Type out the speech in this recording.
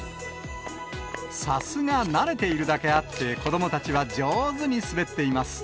さすが慣れているだけあって、子どもたちは上手に滑っています。